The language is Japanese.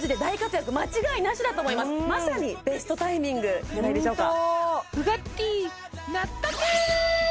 まさにベストタイミングじゃないでしょうか